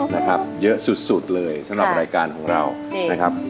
นะครับเยอะสุดเลยสำหรับรายการของเรานะครับ